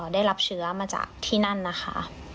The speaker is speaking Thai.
ได้รับเชื้อมาจากที่นั่นนะคะ